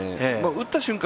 打った瞬間